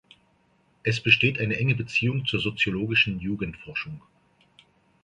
Es besteht eine enge Beziehung zur soziologischen Jugendforschung.